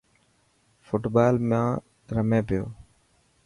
فوٽ بال مان رمي پيو.